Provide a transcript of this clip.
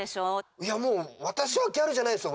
いやもうわたしはギャルじゃないですよ。